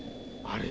あれ？